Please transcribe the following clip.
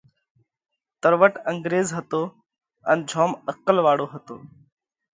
تروٽ انڳريز هتو ان جوم عقل واۯو هتو۔